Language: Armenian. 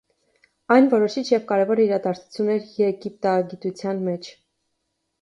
Այն որոշիչ և կարևոր իրադարձություն էր եգիպտագիտության մեջ։